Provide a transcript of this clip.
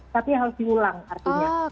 tapi harus diulang artinya